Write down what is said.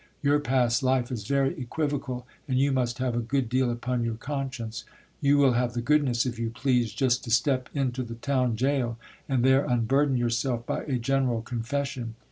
Your past life is very equivocal ; and you must have a good deal upon your conscience. You mil have the goodness, if you please, just to step into the town jail, and there unburden yourself by a general con fession.